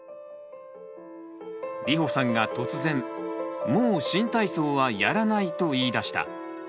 りほさんが突然「もう新体操はやらない」と言いだした。